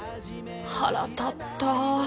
腹立った。